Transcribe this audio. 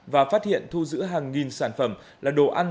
và phát hiện thu giữ hàng nghìn sản phẩm là đồ ăn